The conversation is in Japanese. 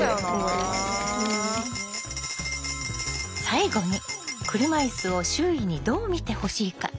最後に車いすを周囲にどう見てほしいか？